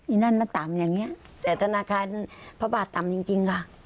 นั่นมันต่ำอย่างนี้แต่ธนาคารพระบาทต่ำจริงจริงค่ะ